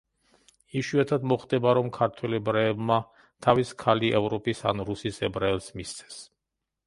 იშვიათად მოხდება, რომ ქართველ ებრაელმა თავის ქალი ევროპის, ან რუსის ებრაელს მისცეს.